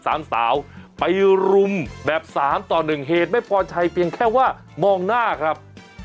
สามสาวไปรุมแบบสามต่อหนึ่งเหตุไม่พอใจเพียงแค่ว่ามองหน้าครับ